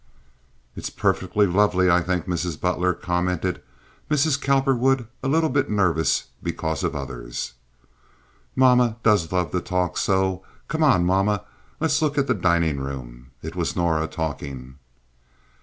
"It's perfectly lovely, I think, Mrs. Butler," commented Mrs. Cowperwood, a little bit nervous because of others. "Mama does love to talk so. Come on, mama. Let's look at the dining room." It was Norah talking.